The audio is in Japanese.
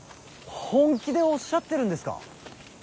本気でおっしゃってるんですか。